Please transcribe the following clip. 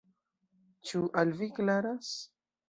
Ĉu al vi klaras?